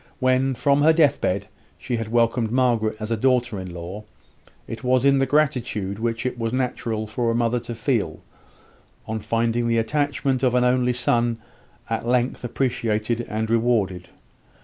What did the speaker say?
When, from her deathbed, she had welcomed Margaret as a daughter in law, it was in the gratitude which it was natural for a mother to feel, on finding the attachment of an only son at length appreciated and rewarded.